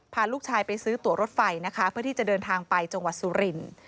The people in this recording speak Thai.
พาลูกชายไปซื้อตัวรถไฟนะคะเพื่อที่จะเดินทางไปจังหวัดสุรินทร์